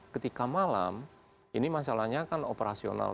ketika malam ini masalahnya kan operasional